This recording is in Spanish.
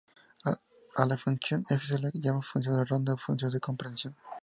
A la función f se la llama función de ronda o función de compresión.